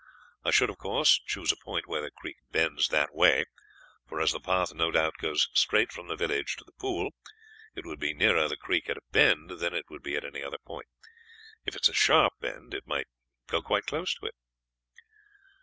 I should, of course, choose a point where the creek bends that way, for as the path no doubt goes straight from the village to the pool, it would be nearer the creek at a bend than it would be at any other point. If it is a sharp bend it might go quite close to it."